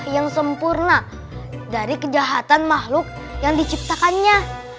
yang sempurna dari kejahatan makhluk yang diciptakannya